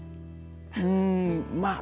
うんまあ